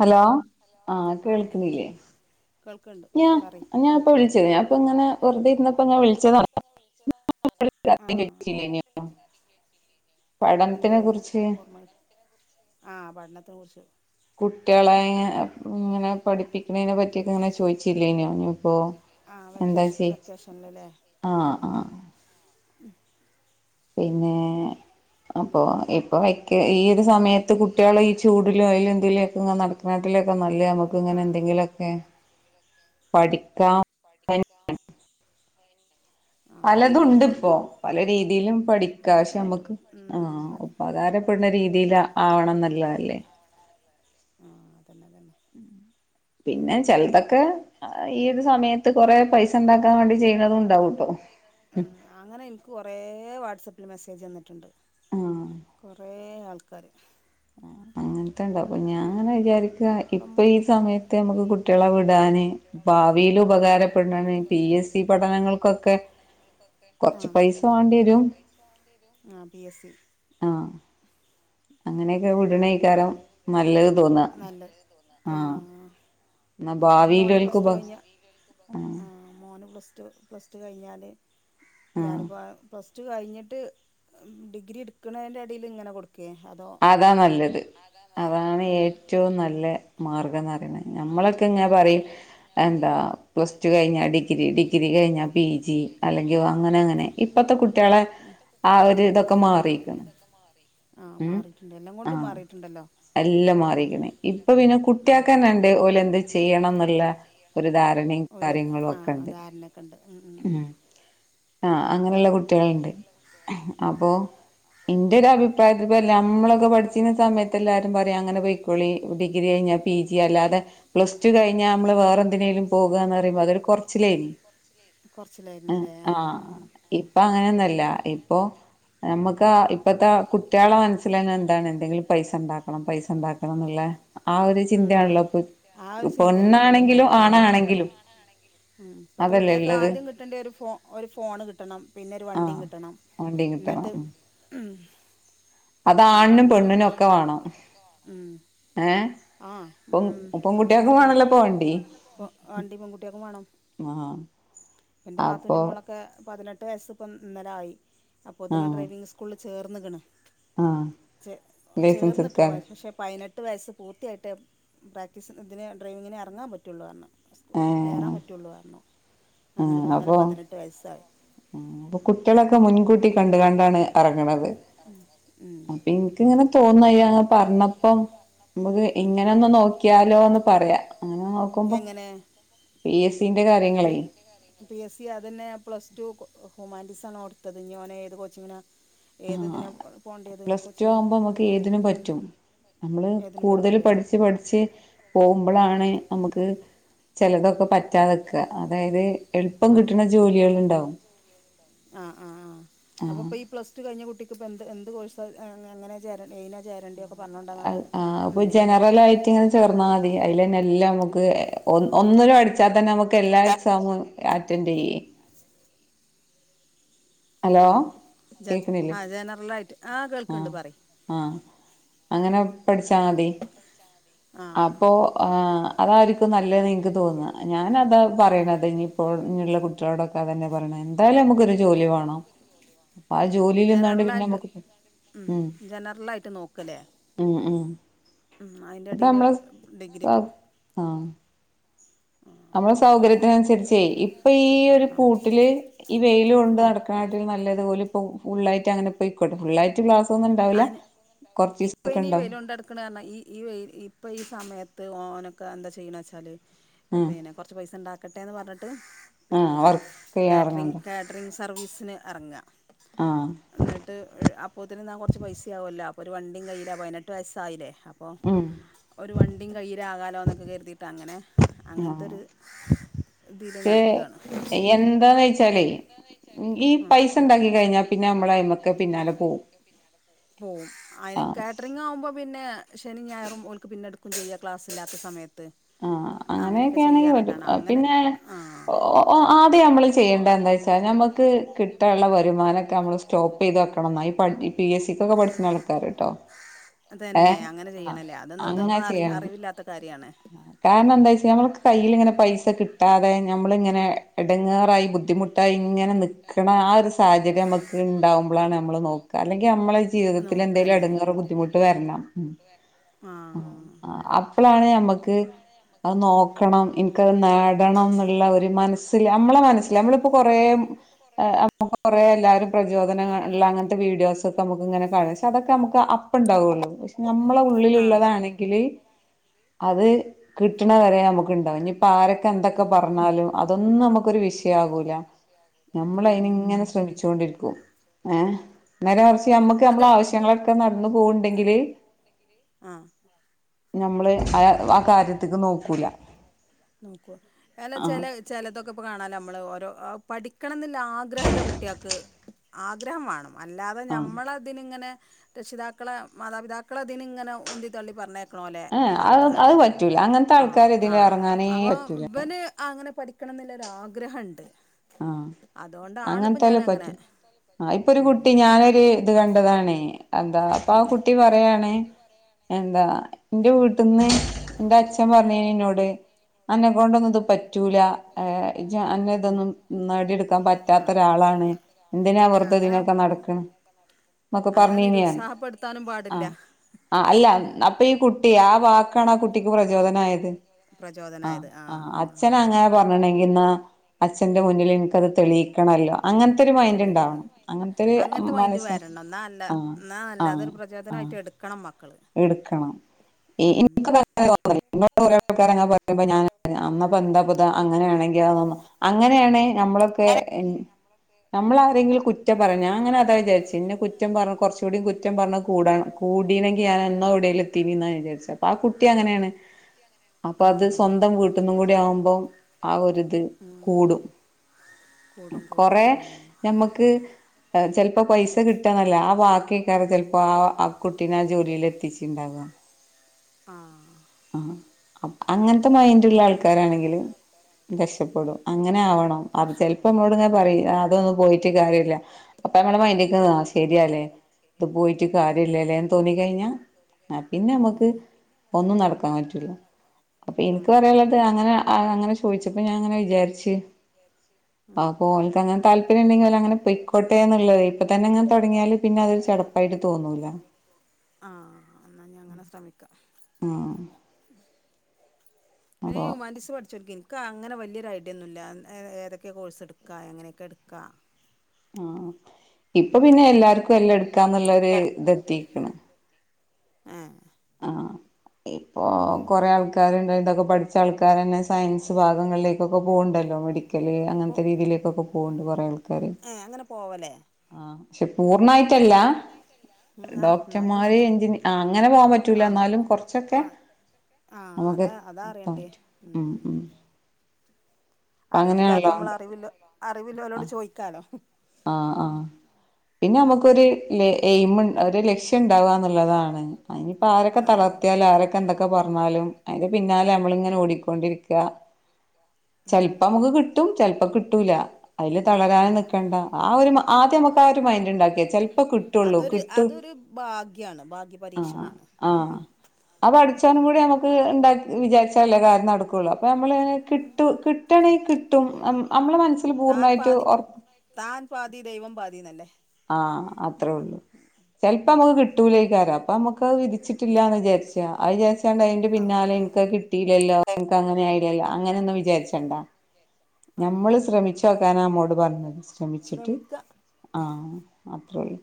Hello ആഹ് ആ കേൾക്ണില്ലേ കേൾക്കണ്ട് ഞാ പറി ഞാൻ ഇപ്പം വിളിച്ചെ ഞാൻ അപ്പം ഇങ്ങനെ വെറുതെ ഇരുന്നപ്പോൾ ഇങ്ങനെ വിളിച്ചതാണ് ആ എന്ത് പഠനത്തിനെ കുറിച്ച് ഓർമ്മ ആ പഠനത്തെ കുറിച്ച് കുട്ടിളെ ഇങ്ങനെ പഠിപ്പി അയിനെ പറ്റിയൊക്കെ ഇങ്ങനെ ചോച്ചില്ലെനോ മ് ആഹ് വെക്കേഷ് വെക്കേഷൻ ലെ ആഹ് മ് മ് ആഹ് പിന്നെ അപ്പൊ ഇപ്പൊ വെക്കെ ഈ ഒരു സമയ- ത്ത്‌ കുട്ടികള് ഈ ചൂട്ടില് അയിലും ഇതിലുംമൊക്കെ നടക്കിനാട്ടിലുമൊക്കെ നല്ലെ നമുക്ക് ആ ഇങ്ങനെ എന്തെങ്കിലുംമൊക്കെ പഠിക്കാൻ [unintelligible] ആ പലതുണ്ട് പറയന്നിട്ട് ഇപ്പോ പല രീതിലും പഠിക്ക പക്ഷെ പലതുണ്ട് നമ്മക്ക് ഉം ആഹ് പല ഉപകാരപ്പെടുന്ന രീതിയിലാ- ആവണനള്ളല്ലേ [unintelligible] ആഹ് അതന്നെത്തന്നെ പിന്നെ ചെലതൊക്കെ ക്ക് ഈ ഒരു സമയത്ത് കുറേ പൈസ ഇണ്ടാക്കാൻ വേണ്ടി അതന്നെ ചെയ്യുന്നത് ഉണ്ടാവുട്ടോ ഉം അങ്ങനെ എനിക്ക് കുറേ വാട്സപ്പിൽ മെസ്സേജ് വന്നിട്ടുണ്ട് കൊറേ ആൾക്കാര് അ ആഹ് [unintelligible] ക്കണ്ട ഞാൻ ഇങ്ങനെ ഇപ്പം വിചാരിക്കാഇപ്പം ഈ സമയത്ത് നമുക്ക് കുട്ടിയളെ വിടാന് ഭാവിയിലുപകരപ്പെടുന്ന പി സ് സി പഠനങ്ങൾക്കൊക്കെ കൊറച്ച് ആഹ് പൈസ വണ്ടിയരും ആഹ് പി എസ് സി ആഹ് അങ്ങനെയൊക്കെ വിട്നേക്കാരം നല്ലത് ആഹ് എന്നാ ഇന്ക് ഇപ്പൊ മോന് ഭാവിയിലോൽക്ക് പ്ലസ് ടു ഉപ കഴിഞ്ഞ് ആഹ് മോന് പ്ലസ് ടു പ്ലസ് ടു കഴിഞ്ഞാല് ആഹ് ഞാനിപ്പ പ്ലസ് ടു കഴിഞ്ഞിട്ട് ഡിഗ്രി ഇട്ക്ക്നെന്റെടയിൽ ഇങ്ങനെ കൊട് അതാ നല്ലത് അതാണ് അതാണ് ആഹ് ഏറ്റവും നല്ല മാർഗം എന്ന് പറയ്നെ നമ്മള് എ ഇങ്ങനെ പറയും എന്താ പ്ലസ് ടു കഴിഞ്ഞാൽ ഡിഗ്രി ഡിഗ്രി കഴിഞ്ഞാ പി ജി അല്ലെങ്കിൽ അങ്ങനെ അങ്ങനെ ഇപ്പത്തെ കുട്ടികളെ ആ ഒരു ഇതൊക്കെ മാറിക്കണ് ആഹ് ഉ മാറിയിട്ടുണ്ട് എല്ലാം ആ കൊണ്ടും മാറിയിട്ടുണ്ടല്ലോ എല്ലാം ഉം മാറിക്ക്ണ് ഇപ്പൊ പിന്നെ ഉം കുട്ടിയാക്കന്നെണ്ട് ഓലെ എന്ത് ചെയ്യ ചെയ്യണം എന്നുള്ള ഒരു ധാരണയും ഒരു കാര്യങ്ങളും ഒക്കെ ആഹ് ഉണ്ട് ധാരണയൊക്കെ ഉണ്ട് ഉം ഉം ഉം ഉ ആ അങ്ങനെയുള്ള കുട്ടികളുണ്ട് അപ്പോ എന്റെ ഒരു അഭിപ്രായം നമ്മളൊക്കെ പഠിച്ചിക്കുന്ന സമയത്ത് എല്ലാരും പറയാ അങ്ങനെ പൊയ്ക്കോളി ഡിഗ്രി കഴിഞ്ഞാ പി ജി അല്ലാതെ പ്ലസ് ടു കഴിഞ്ഞാൽ നമ്മള് വേറെന്തിനേിലും പോകുകന്ന് പറുമ്പോ അതൊരു കുറച്ചിലനി പറച്ചിലേനി കൊറച്ചിലായിരുന്നുല്ലേ ആഹ് ആ ആഹ് ഇപ്പൊ അങ്ങനെൊന്നല്ല ഇപ്പൊ നമ്മക്ക് [unintelligible] കുട്ടികളെ മനസ്സില് എന്താണ് എന്തെങ്കിലും പൈസ ഉണ്ടാക്കണം പൈസ ഉണ്ടാക്കണം എന്നുള്ള ആ ഒരു ഉം ചിന്തയാണല്ലോ ഇപ്പൊ ഉം ആ ഇപ്പൊ ഒരു ചിന്തയാണ് ഇപ്പത്തെ എല്ലാ പെണ്ണാണെങ്കിലും കുട്ടികളും ഉം ആണാണെങ്കിലും ഉം ഇപ്പത്തെ അതല്ലേ കുട്ട്യാക്ക് ഉള്ളത് ആദ്യം കിട്ടണ്ടിയെ ഒരു ഫോ ഒരു ഫോണ് കിട്ടണം പിന്നെ ഒരു ആഹ വണ്ടിം കിട്ടണം വണ്ടി കിട്ടണം ഇന്നട്ട് ഉ ഉം അത് ആണിനും അതാണ് അത് പെണ്ണിനും ഒക്കെ ആണിനും വേണം ഏ ആ ഉം അതന്നെ അതന്നെ വേണല്ലോ ഇപ്പൊ വണ്ടി വണ്ടി പെൺകുട്ടിയാൾക്കും വേണം ആഹ് ഇന്റെ അപ്പൊ നാത്തൂന്റെ മോളൊക്കെ പതിന ട്ട് വയസ്സ് ഇപ്പൊ ഇന്നലെ ആയി അപ്പോത്തിന്ന് ആഹ് ഡ്രൈവിംഗ് സ്കൂളിൽ ചേർന്ന്ക്ക്ണ് ആഹ് ലൈസൻസ് ചേർന്ന്ട്ടക്ക്ണ് എടുക്കാൻ പക്ഷേ പതിന ട്ടു വയസ്സ് പൂർത്തിയായിട്ടെ പ്രാക്ടീസ് ഇതിന് ഡ്രൈവിങ്ങിനെ ഇറങ്ങാൻ പറ്റുള്ളു ന്നു പറഞ്ഞു കയറാൻ ഏഹ് പറ്റുള്ളുപറഞ്ഞു ആഹ് അങ്ങനെപ്പന്നലെ അപ്പൊ പതിനെട്ട് വയസ്സായി അപ്പൊ കുട്ടികളൊക്കെ മുൻകൂട്ടി കണ്ടു കണ്ടാണ് എറങ്ങണത് ഉം. അപ്പൊ എനക്ക്ങ്ങനെ തോന്നയ്യ അതന്നെ അപറന്നപ്പോം നമുക്ക് ഉം, ഉം. ഇങ്ങനെ ഒന്ന് നോക്കിയാലോന്ന് പറയാ അങ്ങനെ നോക്കുമ്പോ എങ്ങനെ പി എസ് സിന്റെ കാര്യങ്ങളേ ഹ്യുമാറ്റീസാണോ ടുത്തത് ന്നി ഓൻ എതു കോച്ചിങ്ങിന - ആ പ്ലസ് ടു കോച്ചിങ്ങിനാ ആമ്പോ നമുക്ക് ഏതിനും പറ്റും നമ്മള് ഏതിനും കൂടുതൽ പറ്റൂലേ പഠിച്ച് പഠിച്ച് പോമ്പോലാ ണ് നമുക്ക് ചെലതൊ പറ്റാതെക്കുക അതായത്, എളുപ്പം ആ കിട്ടണ ജോലികൾണ്ടാവും. ആ ആ ആ! അപ്പൊപ്പൊ ഈ പ്ലസ് ടു കഴിഞ്ഞ കുട്ടി ഇപ്പോ എന്ത് എന്ത് കോഴ്സ [unintelligible] എങ്ങന ചേര എയ് ആ് അപ്പൊ ജനറൽ ആയിട്ട് ഇങ്ങനെ ചേർന്നാ മതി അതിലന്നെല്ലാം നമുക്ക് ഒ ഒന്നിനും [unintelligible] തതന്നെ നമുക്ക് എല്ലാ എക്സാമ് അറ്റൻഡ് ചെയ്യേ - ആ ജന കേക്കണില്ലേ ആഹ ജനറൽ ആായിട്ട് ആ കേൾക്കണ്ട് പറ പഠിച്ചാ മതി അപ്പൊ ആ അതായിരിക്കും നല്ലതെന്ന് എനിക്ക് തോന്നാ ഞാൻ ഞാനതാ പറയണത് ഇനിയിപ്പോൾ [unintelligible] കുട്ടികളടൊ അതന്നെ അതന്നെ എന്തായാലും നമുക്കൊരു ജോലി വേണം അപ്പം ആ ഉം. ജോലിൽ നിന്നാണ്ട് പിന്നെ ജനറലായിട്ട് നമുക്ക് ഉം ജനറലായിട്ട് നോക്കല്ലേ ഉം ഉം ഉം അപ്പൊ അയിന്റെടേല് നമ്മളെ സ ഡിഗ്രി ആ. നമ്മള് സൗകര്യ അനുസരിച്ചേ ഇപ്പം ഈ ഒരു പൂട്ടില് ഈ വെയില് കൊണ്ട് ഉം. നടക്കണാട്ടിലും നല്ലത് പോല് ഇപ്പൊ ഫുള്ളായിട്ട് അങ്ങനെ പൊയ്ക്കോട്ടെ ഫുള്ളായിട്ട് ഗ്ലാസ്സൊന്നും ഉണ്ടാവൂല അതിന് കൊറച്ച് ഇപ്പൊ ദിവസത്തേക്കെ ഇനി ഉണ്ടാവു വെയിലുണ്ടടക്കണ കാരണം ഈ ഈ വെയിൽ ഇപ്പൊ ഈ സമയത്ത് ഓനൊക്കെ ന്താ ചെയ്യണ വെച്ചാൽ ഉം പിന്നെ കൊറച്ച് പൈസ ഉണ്ടാക്കട്ടെ ട്ടേന്ന് പറഞ്ഞി ആഹ് പിന്നെ വർക്ക് ചെയ്യാൻ കാറ്റ്റിംങ് എറങ്ങണ്ട കാറ്റ്റിംങ്സ് സർവീസിന് ഇറങ്ങാ ആഹ് എന്നിട്ട് അപ് [unintelligible] കൊറച്ച് പൈസയാകവുവല്ലോ അപ്പോ ഒരു വണ്ടിയും കയ്യിലാവും പതിനെട്ട് വയസ്സ് ആയില്ലേ അപ്പം ഉം ഒരു വണ്ടിയും കയ്യിലാകാലോ എന്നൊക്കെ കരുതിയിട്ടാ അങ്ങനെ അങ്ങനത്തൊരു പേ എന്താന്ന് വെച്ചാലേ ഈ പൈസ ഉണ്ടാക്കി കഴിഞ്ഞാ പിന്നെ നമ്മളയിമേക്ക് പിന്നാലെ പോവും പോവും അയിന് ആഹ് കാറ്ററിങ് ആവുമ്പോ പിന്നെ ശനി ഞായറും ഓൽക്ക് പിന്നെടുക്കും ചെയ്യാ ക്ലാസ്സില്ലാത്ത സമയത്ത് ആ അങ്ങനെയൊക്കെ ആണെങ്കി പറ്റും ചെയ്യാനായിട്ടാണ് അങ്ങനെ പിന്നെ ന്നെ ആഹ് ഒ ഓ ആദ്യം നമ്മൾ ചെയ്യേണ്ട എന്താ വെച്ചാ ഞമ്മക്ക് കിട്ടാഉള്ള വരുമാനൊക്കെ നമ്മള് ചോപ്പെയ്ത് വേ നന്നായി പഠി പി എസിക്കൊക്കെ പഠിച്ച്ണ് ആൾക്കാര്ട്ടോ ഏ തന്നെ അങ്ങനെ ആ ചെയ്യണല്ലേ അതൊന്നും അങ്ങനെ ഇതൊക്കെ അറി ചെയ്യണം അറിവില്ലാത്ത കാര്യാണ് കാരണം എന്താ വച്ച ആഹ് നമ്മക്ക് കയ്യിലിങ്ങനെ പൈസ കിട്ടാതെ ഞമ്മളിങ്ങനെ ഇടങ്ങേറായി ബുദ്ധി ബുദ്ധിമുട്ടായി ഇങ്ങനെ നിക്കണ ആ ഒരു സാഹചര്യം നമുക്ക് ഉണ്ടാവുമ്പോളാണ് നമ്മൾ നോക്കാ അല്ലെങ്കിൽ നമ്മള് ജീവിതത്തിൽ നോക്ക എന്തേലും അല്ലെങ്കിൽ എടങ്ങേറോ ബുദ്ധിമു എണ്ണം മും ആഹ് ആം എപ്പളാണ് നമ്മക്ക് അത് നോക്കണം എനിക്കത് നേടണം എന്നുള്ള ഒരു മനസില് നമ്മളെ മനസില് നമ്മളിപ്പോ കൊറേം ഏ കൊറേ എല്ലാരും പ്രചോദനൾ ഉള്ള അങ്ങനത്തെ വീഡിയോസ് ഒക്കെ നമുക്ക് ഇങ്ങനെ കാണ പക്ഷെ അതൊക്കെ നമുക്ക് അ ണ്ടാവല്ലോ പക്ഷെ ഞമ്മളെ ആഹ് ഉള്ളിലുള്ളതാണെങ്കില് അത് കിട്ടണ വരെ ന മ്മക്കുണ്ടാവും ഇനിപ്പ ആരക്ക എന്തക്ക പറഞാലും അതൊന്നു നമുക്കൊരു വിഷയാകൂല ഉം നമ്മള് ഉം അയിനിങ്ങന ശ്രമിച്ചോണ്ടിരിക്കും ഏ നേരെമറിച്ച് നമ്മക്ക് അത് നമ്മള ആവശ്യങ്ങളക്ക നട ന്ന് പോവണ്ടെങ്കില് ആഹ് ഞമ്മള് ആ ആ കാര്യ അല്ല ആഹ് ചില ചിലതൊക്കിപ്പോ കാണാല്ലാ നമ്മള് ഓരോ ആ പഠിക്കണന്നില്ലാ ആഗ്രഹില്ല കുട്ടികക്ക് ആഗ്രഹം വാണം അല്ലാത ആഹ് ഞമ്മളതിനിങ്ങനെ രക്ഷിതാക്കള് മാതാപിതാക്കളതിനിങ്ങനെ ഉന്തി തള്ളി പറഞ്ഞ ആ അത് അത് പറ്റൂല അങ്ങനത്ത ആൾ ആ ആ അപൊ ഇവന് അ അങ്ങനെ പഠിക്കണന്നുല്ലരു ആഗ്രഹണ്ട് ആഹ് അങ്ങനത്തയാൽ ഞാനങ്ങനെ പറ്റും ആ ഇപ്പൊ ഒരു ഉം കുട്ടി ഞാനൊരു ഇത് കണ്ടതാണേ അന്താ അപ്പാ കുട്ടി പറയാണ് എന്താ എന്റെ വീട്ട്ന്ന് എന്റച്ഛൻ പറഞ്ഞീനിന്നോട് അന്ന കൊണ്ടൊന്നു ഇത് പറ്റൂല്ലാ എഹ് എജ്ജാ അന്ന ഉം ഇതൊന്നും നാടിയെടുക്കാൻ ആഹ് പറ്റാത്തൊരാളാണ് എന്തിനാ വറുതെ അങ്ങനെ ഇതിനക്കെ നടക്കണ് ന്നക്ക അങ്ങനെ പറഞ്ഞീനി നിരുത്സാഹപ്പെടുത്താനും ആ പാടില്ല ആ അല്ല ഉം അപ്പ ഈ കുട്ടി ആ വാക്കാണ് ആ കുട്ടിക്ക് പ്രചോദനായത് ആഹ് പ്രചോദനായത് ആ ആഹ് അച്ഛനങ്ങന പറ പിയുന്ന അച്ഛൻ ന്റ മുന്നില് എന്ക്കത് തെളിയ്ക്കണല്ല തെളിയിക്കണം അങ്ങനത്തെ മൈന്റ് മനസ്സ് വരണം എന്നാ അല്ല ആഹ് എന്നാ അല്ല ആഹ് അതൊരു ആഹ് പ്രചോദനമായിട്ട് എടുക്കണം മക്ക എടുക്കണം [unintelligible] [unintelligible] കുറെ ആൾക്കാര് അങ്ങനെ പറയുമ്പോ ഞാൻ എന്താപ്പത് അങ്ങനെയാണെങ്കി [unintelligible] അങ്ങനെയാണെ ഞമ്മളൊക്കെ ഏ ഞമ്മളെ ആരെങ്കിലും കുറ്റം പറഞ്ഞ ഞാൻ അങ്ങനാ അതാ വിചാരിച്ചേ ഇങ്ങനെ കുറ്റം പറ കുറച്ചൂടി കുറ്റം പറഞ്ഞാ കൂടാ കൂടിനി ങ്കിൽ ഞാൻ എന്നോ എവിടേലും എത്തീനീന്നാ വിചാരിച്ചേ അപ്പൊ ആ കുട്ടി അങ്ങനെയാണ് അപ്പ അത് ആഹ് സ്വന്തം വീട്ടീന്നും കൂടി ആവുമ്പം ആ ഒരു ഇത് ഉം കൂടും കൂടും കൂടും കൊറേ ഉം ഞമ്മക്ക് അ ചിലപ്പോ പൈസ കിട്ടണില്ല ആ ബാക്കി കാര ചിലപ്പോ ആ ആ കുട്ടീനെ എത്തിച്ചിണ്ടാവോ ആഹ് ആഹ് അങ്ങെൻത്തെ മൈന്റ് ഇള്ള ആൾക്കാരാണെങ്കിൽ രക്ഷപ്പെടും അങ്ങനെ ആവെ അ അത് ചെൽപ്പം വിഷമതല്ലേ അമ്മളോട് ഇങ്ങെനെ ഉം പറിം അതൊന്നും പോയിട്ട് കാര്യ ഇല്ല അപ്പ അമ്മെളെ മൈന്റ്ക്ക് ഉം ശരിയാലെ ഇത് പോയിറ്റ് കാര്യ ഇല്ലലെന്ന് തോന്നി കഴിഞ്ഞാ ആ പിന്നെ അമ്മെക്ക് ഉം ഒന്നും നട്ക്കു മാറ്റു ഇല്ല അപ്പം ഇൻക്ക് പറയാ ഇള്ളെത് ആഹ് അങ്ങെനെ അയ് അങ്ങെനെ ചോയിച്ചെപ്പം ഞാ ഇങ്ങെനെ വിചാരിച്ച് ഉം ആപ്പൊ ഓൽക്ക് അങ്ങെനെ താല്പര്യം ഇണ്ടെങ്കി ഓൽ അങ്ങെനെ പൊയിക്കോട്ടെന്ന് ഇള്ളെതെയ് ഇപ്പ തെന്നെ ഇങ്ങെനെ തൊടങ്ങിയാല് പിന്നെ അതൊരു ചടപ്പായിട്ട് തോന്നൂലാ ആഹ് എന്നാ ഞാൻ അങ്ങനെ ശ്രമിക്കാം ആഹ് പിന്നെ ഈ ഹുമാൻറ്റീസ് പഠിച്ചൊൽക്കെ ക്ക് അങ്ങെനെ വല്ലിയൊരു ഐഡിയ ഒന്നു ഇല്ല. ഏതെ ഏതെക്കെ കോഴ്സ് ഇട്ക്കാ, എങ്ങെനെക്കെ ഇട്ക്കാ ആഹ് ആഹ് ഇപ്പ പിന്നെ എല്ലാര് ക്കും എല്ലെം ഇട്ക്കാന്ന് ഇള്ളൊര് ഇത് എത്തിക്ക്ണ്. ഏ ഇപ്പൊ കൊറെ ആൾക്കാര് ഇണ്ടായെത് [unintelligible] പ്പ പഠിച്ച ആൾക്കാരെന്നെ സയൻസ് ഭാഗങ്ങളിലെക്കൊക്കെ പോക് ഇണ്ടല്ലോ മെഡി ക്കെൽ അപ്പോൾ അങ്ങെൻത്തെ രീതിയിലെക്കൊക്കെ പോവ്ണ്ട് കൊറെ ആൾക്കാര് ഏഹ് അങ്ങനെ പോവലേ ആഹ് ക്ഷെ പൂർണായി ട്ട് അല്ല ഉം ആഹ് എന്നാലും ഡോക്ടർമാര് എൻജിനീ ആ അങ്ങനെ പോവാൻ പ റ്റുലാ ആഹ് ഇന്നാലും കൊർച്ചൊക്കെ ആഹ് ആഹ് നമുക്ക് അതാ അതാ എത്താൻ അറിയണ്ടേ പറ്റും ഉം ഉം അപ്പ അറിവില്ലാത്ത അങ്ങനെയാണല്ലോ അമ്മെൾ അറിവ് ഇല്ലോ അറിവില്ലോലോട് ചോദിക്കാലോ ആഹ് ആഹ് പിന്നെ നമു ക്കൊരു ല എയിം ഒരു ലക്ഷ്യം ഉണ്ടാവുകന്നുള്ളതാണ് അനിയിപ്പോ ആരൊക്കെ ആഹ് തളർത്തിയാലും ആരൊക്കെ എന്തൊക്കെ പറഞ്ഞാലും അതിന്റെ പിന്നാലെ നമ്മള് ഇങ്ങനെ ഓടിക്കൊണ്ടിരിക്കുക ചെലപ്പോ നമക്ക് കിട്ടും ചിലപ്പോ കിട്ടൂല അയില് തളരാൻ നി കണ്ട ആ ഒരു ആദ്യം നമുക്കാ ആഹ് ഒരു മൈൻഡ് ഉണ്ടാക്കിവെച്ച ചെലപ്പോ കിട്ടുള്ളൂ അതൊരു കിട്ടും അതൊരു ഭാഗ്യാണ് ഭാഗ്യ ആഹ് പരീക്ഷണാണ് ആഹ് ആഹ് പഠിച്ചാനും കൂടി നമുക്ക് ണ്ട വിചാരി ചില കാര്യം നട കുള്ളൂ അപ്പോൾ നമ്മൾ കിട്ടു കിട്ടണെങ്കിൽ കിട് ട്ടും നമ്മളെ മനസ്സിൽ താൻ പൂർണ്ണായിട്ടും പാതി ഒറ താൻ പാതി ദൈവം പാതിന്നല്ലേ ആ അത്രേയള്ളു ചെലപ്പോ നമുക്ക് കിട്ടൂലേക്കാരം അപ്പൊ നമ്മുക്ക് അത് വിധിച്ചിട്ടില്ലാന്ന് വിചാരിച്ച അത് വിചാരിച്ചണ്ട് അതിന്റെ പിന്നാലെ ആഹ് ഇന്ക്ക് കിട്ടീല്ലല്ലോ ഇന്ക്ക് അങ്ങനെ ആയില്ലല്ലോ അങ്ങനെയൊന്നും വിചാരിച്ചണ്ടാ ഞമ്മള് ആഹ് ശ്രമിച്ചോക്കാന അമ്മോട് പറഞ്ഞത് ശ്രമിച്ചിട്ട് ശ്രമിക്ക ആ അപ് [inaudible]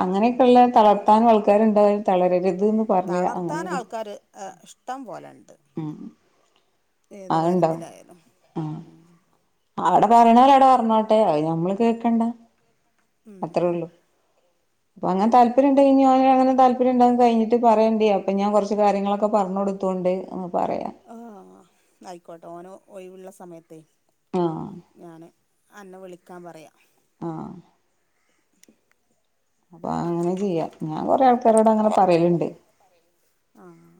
അങ്ങനെയൊക്കെള്ള തളർത്താനും ആൾക്കാരുണ്ടാവും തളരരുത്ന്ന് പറയ തളർത്താൻ അങ്ങനൊരു ആൾക്കാര് ഇഷ്ടം പോലെണ്ട് ഉം ഏത് അതുണ്ടാവും കാര്യത്തിലായാലും ആഹ് അവിടെ പറയണോല് അവിടെ പറഞ്ഞോട്ടെ അത് ഞമ്മള് കേക്കണ്ട ഉം അത്രേ ഉള്ളു അപ്പൊ അങ്ങനെ താല്പര്യ ഉണ്ടെങ്ക ഞാന അന താല്പര്യാണ്ടന്ന് കഴിഞ്ഞിട്ട് പറയോണ്ടി അപ്പ ഞാൻ കുറച്ച് കാര്യങ്ങളക്കെ ഒക്കെ പറഞ് കൊടുത്തോണ്ട് ന്ന് പറയാ അയ്ക്കോട്ടെ ഓന് ഒയവുള്ള സമയത്ത് ആ അന്നെ വിളിക്കാൻ പറയാ ആ പ്പൊ അങ്ങനെ ചെയ്യാ ഞാങ്കൊറെ അട് ൾക്കാരോട് അങ്ങനെ പറയല്ണ്ട് ആഹ്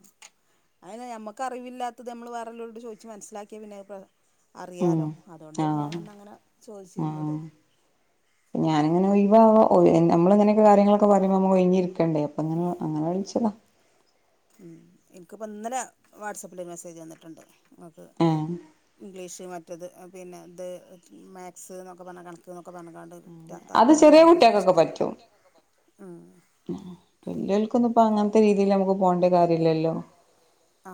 അയിന് ഞമ്മക്കറിവില്ലാത്തതു നമ്മള് വേറൊള്ളോരോട് ചോയ്ച്ച് മനസ്സിലാക്ക്യ പിന്നെ ഉം അറിയാലോ അതുകൊണ്ടേനി ആഹ് ഞാനന്നങ്ങനെ ആഹ് ചോയ്ച്ചീര്ന്നത് ഞാനിങ്ങനെ ഒയ് വാ വ നമ്മളിങ്ങനൊക്കെ കാര്യങ്ങളൊക്കെ പറയുമ്പോ ഒഴിഞ്ഞിരി ക്കണ്ടേ അപ്പൊങ്ങനെ അങ്ങനെ വിളിച്ചതാ ഇന്ക്ക് പ്പോ ന്നലെ വാട്സപ്പിലൊരു മെസ്സേജ് വന്നിട്ട്ണ്ട് ഏഹ് ഇംഗ്ലീഷ് മറ്റ് പിന്നെ ഇത് മാത്സ് ന്നൊക്കെ പറഞ് കണക്ക് ന്നൊക്കെ പറഞ്ങ്കാണ്ട് അത് താല്പര്യം ചെറിയ ഉണ്ടോന്നൊക്കെ ചോദിച്ചു കുട്ടികൾക്കൊക്കെ പറ്റും ഉം വല്ല്യോർക്കൊന്നും ഇപ്പ അങ്ങനത്തെ രീതിൽ മ്മക്ക് പോണ്ട കാര്യല്ലല്ലോ ആ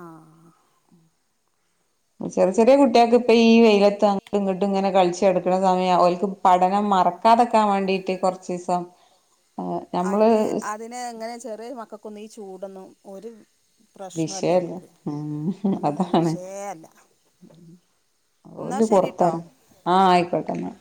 ചെറി ചെറിയ കുട് ട്ട്യോൾക് ഇപ്പ ഈ വെയിലത്ത് അങ്ങട്ടും ഇങ്ങോട്ടും ഇങ്ങനെ കളിച്ചടുക്കണ സമയ ഓൽക്ക് പഠനം മറക്കാതക്കാൻ വേണ്ടിട്ട് കൊറച്ചീസം ഞമ്മള് അതിന് അതിന് എങ്ങനെ ചെറിയ മക്കൾക്കൊന്നും ഈ ചൂടൊന്നും ഒരു പ്രശ്നമല്ല വിഷയല്ല അവർക്ക് ഉം ഉം അതാണ് വിഷയമേ അല്ല എന്നാൽ ഓല് ശരി കേട്ടോ പൊറത്താണ് ആ അയ്ക്കോട്ടെന്നാ